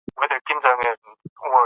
پوهه لرونکې مور د روغ ژوند لاره ښيي.